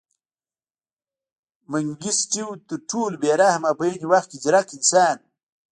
منګیسټیو تر ټولو بې رحمه او په عین وخت کې ځیرک انسان و.